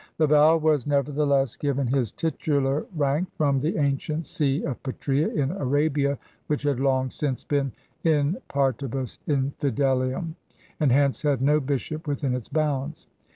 Laval was nevertheless given his titular rank from the ancient see of Petrsea in Arabia which had long since been in partibus infidelium and hence had no bishop within its bounds.